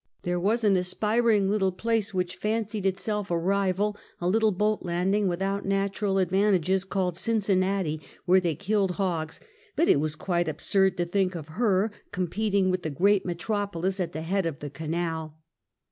There was an aspiring little place which fancied itself a rival, a little boat landing, without natural ad vantages, called Cincinnati, where thej killed liogs; but it was quite absurd to think of her competing with the great metropolis at the head of the canal.